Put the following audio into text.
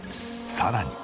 さらに。